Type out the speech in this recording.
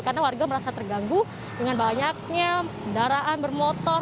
karena warga merasa terganggu dengan banyaknya darahan bermotor